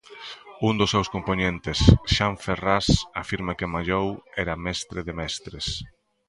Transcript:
Un dos seus compoñentes, Xan Ferrás, afirma que Mallou era mestre de mestres.